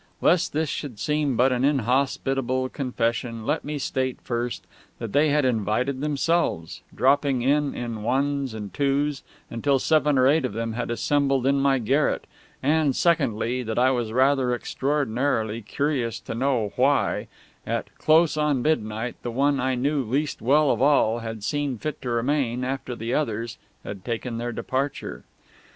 Lest this should seem but an inhospitable confession, let me state, first, that they had invited themselves, dropping in in ones and twos until seven or eight of them had assembled in my garret, and, secondly, that I was rather extraordinarily curious to know why, at close on midnight, the one I knew least well of all had seen fit to remain after the others had taken their departure.